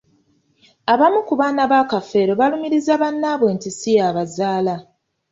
Abamu ku baana ba Kafeero balumiriza bannaabwe nti siyabazaala.